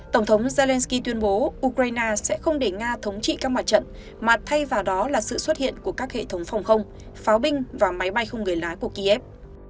tổng thống zelensky tuyên bố ukraine sẽ không để nga thống trị các mặt trận mà thay vào đó là sự xuất hiện của các hệ thống phòng không pháo binh và máy bay không người lái của kiev